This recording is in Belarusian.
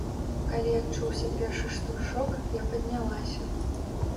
Калі адчуўся першы штуршок, я паднялася.